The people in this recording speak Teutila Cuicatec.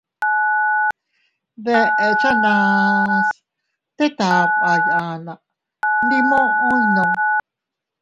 Deʼechanas tet aʼaba yanna, ndi muʼu iynuu.